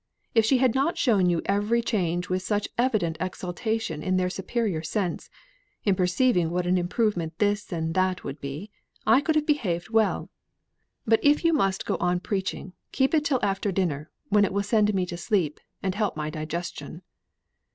If she had not shown you every change with such evident exultation in their superior sense, in perceiving what an improvement this and that would be, I could have behaved well. But if you must go on preaching, keep it till after dinner, when it will send me to sleep, and help my digestion."